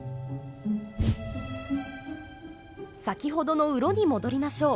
先ほどのウロに戻りましょう。